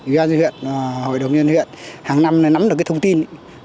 huyện huyện hội đồng nhân huyện hàng năm nắm được thông tin